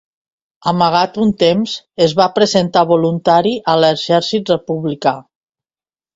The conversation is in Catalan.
Amagat un temps, es va presentar voluntari a l'Exèrcit Republicà.